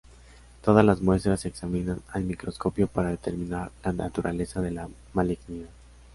Todas las muestras se examinan al microscopio para determinar la naturaleza de la malignidad.